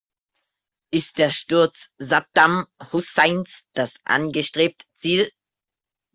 Ist der Sturz Saddam Husseins das angestrebt Ziel?